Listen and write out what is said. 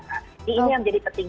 ini yang menjadi penting